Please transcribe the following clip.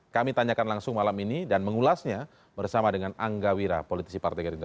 kami tanyakan langsung malam ini dan mengulasnya bersama dengan angga wira politisi partai gerindra